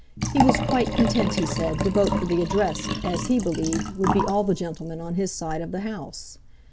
He was quite content, he said, to vote for the Address, as, he believed, would be all the gentlemen on his side of the House.